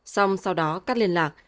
xong sau đó cắt liên lạc